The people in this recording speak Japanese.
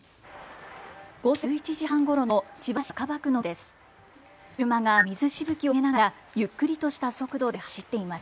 午前１１時半ごろの千葉市若葉区の様子です。